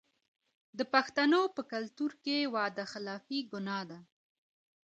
د پښتنو په کلتور کې وعده خلافي ګناه ده.